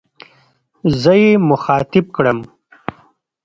زه يې مخاطب کړم.